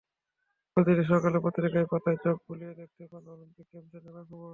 প্রতিদিন সকালে পত্রিকার পাতায় চোখ বুলিয়ে দেখতে পান অলিম্পিক গেমসের নানা খবর।